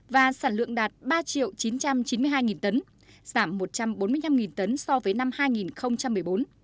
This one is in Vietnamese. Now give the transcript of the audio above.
và sản lượng đạt ba chín trăm chín mươi hai tấn giảm một trăm bốn mươi năm tấn so với năm hai nghìn một mươi bốn